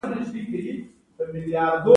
فزیک زموږ د وجود ژبه ده.